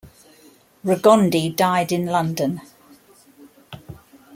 Regondi died in London.